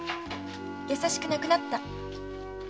優しくなくなった。